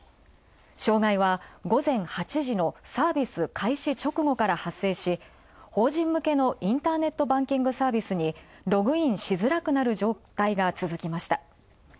障害は午前８時のサービス開始直後から発生し、法人向けのインターネットバンキングサービスにログインしづらいなる状態が続きました。